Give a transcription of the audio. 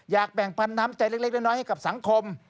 แบ่งปันน้ำใจเล็กน้อยให้กับสังคม